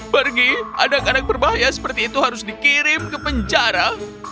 pergi anak anak berbahaya seperti itu harus dikirim ke penjara